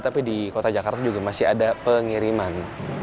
tapi di kota jakarta juga masih ada pengiriman